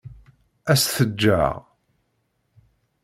Ad s-t-ǧǧeɣ.